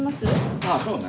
あぁそうね。